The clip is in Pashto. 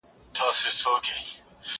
زه به اوږده موده اوبه پاکې کړې وم!.